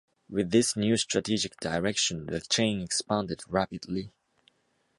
With this new strategic direction, the chain expanded rapidly.